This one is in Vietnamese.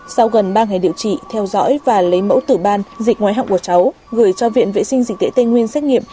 sau gần ba ngày điều trị theo dõi và lấy mẫu tử ban dịch ngoài họng của cháu gửi cho viện vệ sinh dịch tễ tây nguyên xét nghiệm